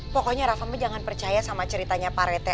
pokoknya rafa mah jangan percaya sama ceritanya pak rete